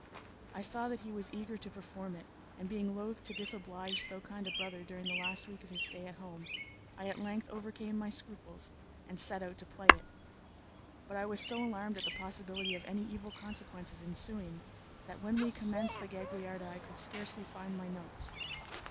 I saw that he was eager to perform it, and being loath to disoblige so kind a brother during the last week of his stay at home, I at length overcame my scruples and set out to play it. But I was so alarmed at the possibility of any evil consequences ensuing, that when we commenced the Gagliarda I could scarcely find my notes.